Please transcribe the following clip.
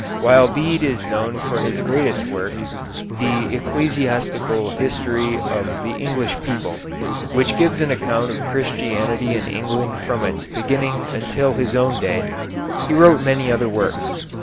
While Bede is known for his greatest work, the "Ecclesiastical History of the English People," which gives an account of Christianity in England from its beginning until his own day, he wrote many other works.